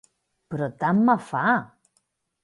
Però tant me fa.